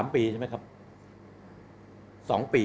๓ปีใช่ไหมครับ๒ปี